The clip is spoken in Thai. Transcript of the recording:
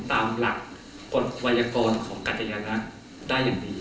ตามหลักกฎวัยกรของกัญญารัฐได้อย่างดี